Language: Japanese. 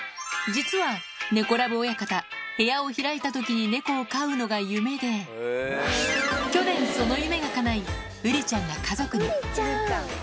実は、猫ラブ親方、部屋を開いたときに猫を飼うのが夢で、去年、その夢がかない、ウリちゃんが家族に。